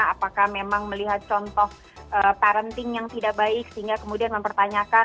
apakah memang melihat contoh parenting yang tidak baik sehingga kemudian mempertanyakan